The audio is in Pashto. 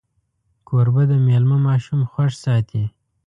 کوربه د میلمه ماشومان خوښ ساتي.